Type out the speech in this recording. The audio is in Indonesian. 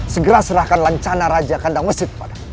segera serahkan lancana raja kandang mesir kepadamu